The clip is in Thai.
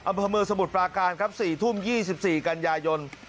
อัมพมือสมุทรปลาการครับ๔ทุ่ม๒๔กันยายน